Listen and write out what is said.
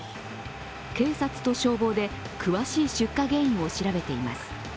警察と消防で詳しい出火原因を調べています。